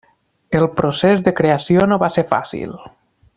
El procés de creació no va ser fàcil.